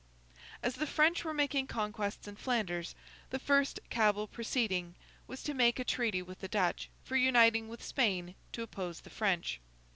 As the French were making conquests in Flanders, the first Cabal proceeding was to make a treaty with the Dutch, for uniting with Spain to oppose the French.